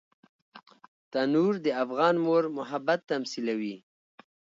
تنور د افغان مور محبت تمثیلوي